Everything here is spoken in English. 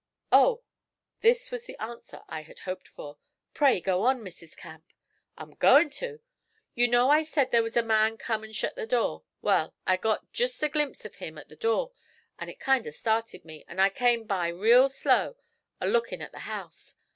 'Oh!' This was the answer I had hoped for. 'Pray go on, Mrs. Camp.' 'I'm goin' to. You know I said there was a man come and shet the door; wal, I got jest a glimpse of him at the door, and it kind o' started me, and I came by real slow, a lookin' at the house.